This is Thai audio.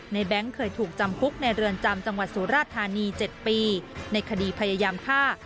แบงค์เคยถูกจำคุกในเรือนจำจังหวัดสุราธานี๗ปีในคดีพยายามฆ่า